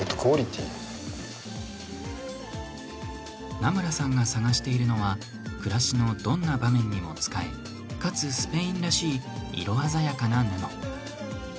南村さんが探しているのは暮らしのどんな場面にも使えかつスペインらしい色鮮やかな布。